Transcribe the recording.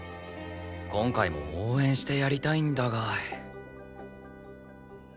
今回も応援してやりたいんだが。